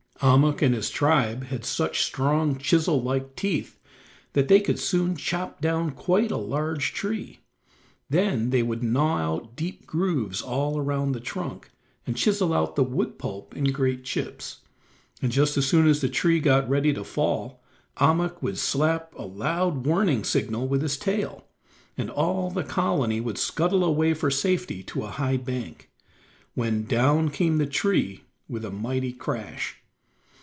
Ahmuk and his tribe had such strong, chisel like teeth that they could soon chop down quite a large tree, then they would gnaw out deep grooves all around the trunk, and chisel out the wood pulp in great chips, and just as soon as the tree got ready to fall, Ahmuk would slap a loud warning signal with his tail, and all the colony would scuttle away for safety to a high bank, when down came the tree with a mighty crash.